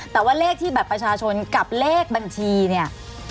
แต่ว่าเลขที่บัตรประชาชนกับเลขบัญชีเนี่ย